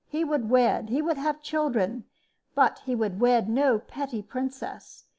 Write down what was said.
He would wed. He would have children. But he would wed no petty princess.